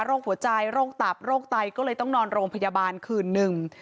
หัวใจโรคตับโรคไตก็เลยต้องนอนโรงพยาบาลคืนหนึ่ง